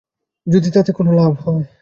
যদি তাতে কোনো লাভ হয়।